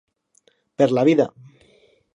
Per la vida.